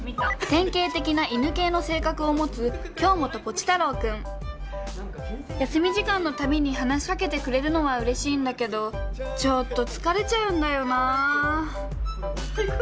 典型的な犬系の性格を持つ休み時間の度に話しかけてくれるのはうれしいんだけどちょっと疲れちゃうんだよな。